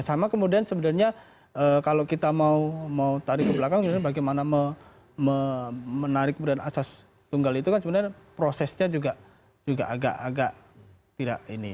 sama kemudian sebenarnya kalau kita mau tarik ke belakang bagaimana menarik asas tunggal itu kan sebenarnya prosesnya juga agak agak tidak ini